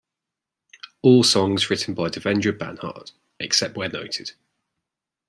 All songs written by Devendra Banhart, except where noted.